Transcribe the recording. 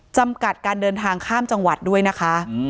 จำกัดการเดินทางข้ามจังหวัดด้วยนะคะ